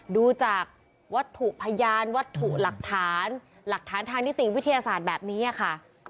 ดูจากวัตถุพยานวัตถุหลักฐานหลักฐานทางนิติวิทยาศาสตร์แบบนี้ค่ะ